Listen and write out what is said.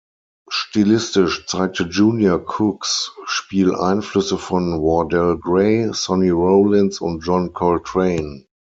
Stilistisch zeigte Junior Cooks Spiel Einflüsse von Wardell Gray, Sonny Rollins und John Coltrane.